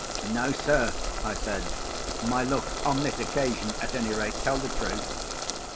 "No, sir," I said. "My looks, on this occasion at any rate, tell the truth."